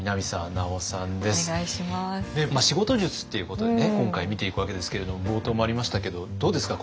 仕事術っていうことでね今回見ていくわけですけれども冒頭もありましたけどどうですか？